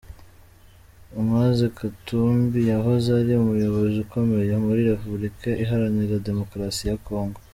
Moise Katumbi, yahoze ari umuyobozi ukomeye muri Republika iharanira demokarasi ya kongo.